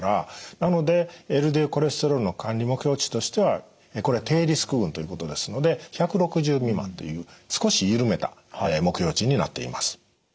なのでＬＤＬコレステロールの管理目標値としてはこれ低リスク群ということですので１６０未満という少し緩めた目標値になっています。